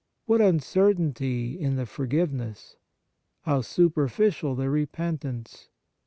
What uncertainty in the forgiveness ! How superficial the repentance